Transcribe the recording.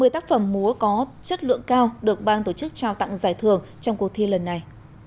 một mươi tác phẩm múa có chất lượng cao được bang tổ chức trao tặng giải thưởng trong cuộc thi lần này